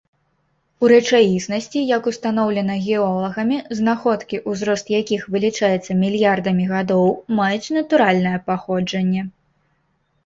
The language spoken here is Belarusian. У рэчаіснасці, як устаноўлена геолагамі, знаходкі, узрост якіх вылічаецца мільярдамі гадоў, маюць натуральнае паходжанне.